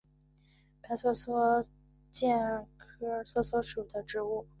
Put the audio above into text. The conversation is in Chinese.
白梭梭为苋科梭梭属的植物。